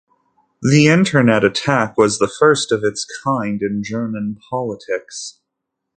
The Internet attack was the first of its kind in German politics.